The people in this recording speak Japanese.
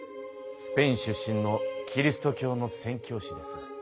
スペイン出身のキリスト教の宣教師です。